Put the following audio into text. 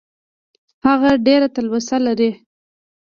هغه ډېره تلوسه لري .